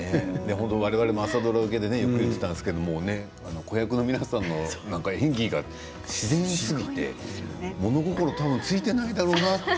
我々の朝ドラ受けでよく言っていたんですけれど子役の皆さんの演技が自然すぎて物心付いていないだろうなと